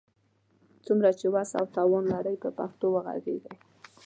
څومره چي وس او توان لرئ، په پښتو وږغېږئ!